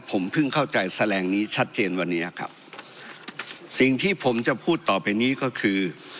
ผมเพิ่งเข้าใจแสลงนี้ชัดเจนวันนี้ครับสิ่งที่ผมจะพูดต่อไปนี้ก็คือ